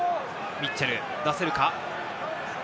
ミッチェル、出せるか？